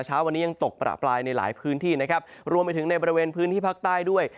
เช้าวันนี้ยังตกประปรายในหลายพื้นที่นะครับรวมไปถึงในบริเวณพื้นที่ภาคใต้ด้วย